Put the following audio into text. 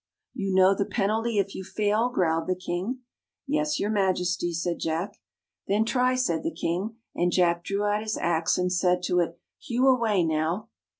"You know the penalty if you fail? " growled the King. " Yes, your Majesty," said Jack. " Then try," said the King; and Jack drew out his Ax and said to it, " Hew away, now."